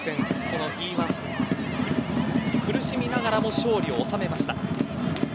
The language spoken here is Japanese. このＥ‐１、苦しみながらも勝利を収めました。